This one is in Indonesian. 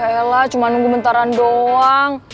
yaelah cuma nunggu bentaran doang